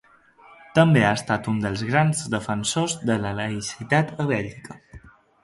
També ha estat un dels grans defensors de la laïcitat a Bèlgica.